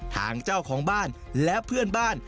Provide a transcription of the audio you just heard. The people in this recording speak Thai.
ทางเจ้าของบ้านและเพื่อนบ้าน